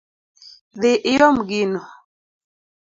Dhi iom gino